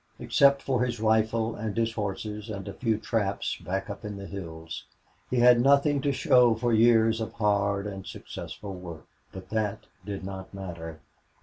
Except for his rifle, and his horses, and a few traps back up in the hills, he had nothing to show for years of hard and successful work. But that did not matter.